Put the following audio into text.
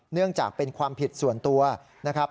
เนื่องจากเป็นความผิดส่วนตัวนะครับ